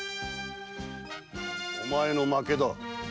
お前の負けだ。